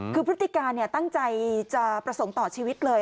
คือพฤติการตั้งใจจะประสงค์ต่อชีวิตเลย